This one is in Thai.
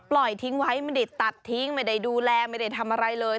ปล่อยทิ้งไว้ไม่ได้ตัดทิ้งไม่ได้ดูแลไม่ได้ทำอะไรเลย